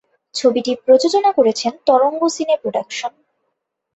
ছবিটি প্রযোজনা করেছে তরঙ্গ সিনে প্রোডাকশন।